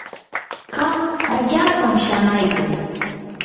kan allaapam shanaykun.